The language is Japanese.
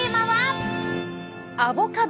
アボカド！